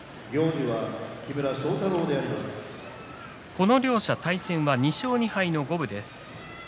この両者、対戦は２勝２敗の五分です。